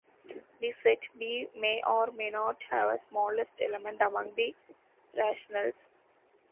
The set "B" may or may not have a smallest element among the rationals.